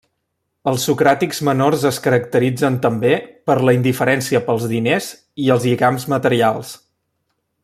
Els socràtics menors es caracteritzen també per la indiferència pels diners i els lligams materials.